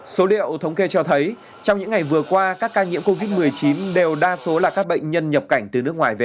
số liệu thống kê cho thấy trong những ngày vừa qua các ca nhiễm covid một mươi chín đều đa số là các bệnh nhân nhập cảnh từ nước ngoài về